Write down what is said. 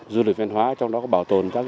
du lịch văn hóa trong đó có bảo tồn các